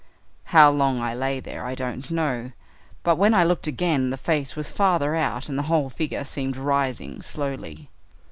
How long I lay there I don't know, but when I looked again the face was farther out and the whole figure seemed rising slowly.